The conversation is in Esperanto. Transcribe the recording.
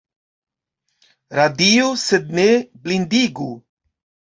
Radiu sed ne blindigu.